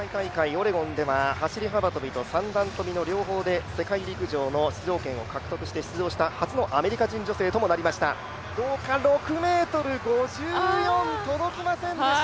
オレゴンでは走幅跳と三段跳びの両方で世界陸上の出場権を獲得して出場した初のアメリカ人女性ともなりました、６ｍ５４、届きませんでした。